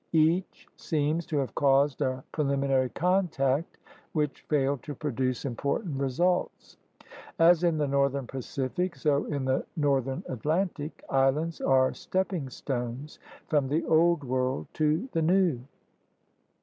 Each seems to have caused a prelimi nary contact which failed to produce important results. As in the northern Pacific, so in the north ern Atlantic, islands are stepping stones from the Old World to the New.